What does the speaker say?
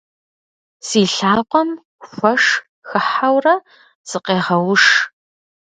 Си лъакъуэм хуэш хыхьэурэ сыкъегъэуш.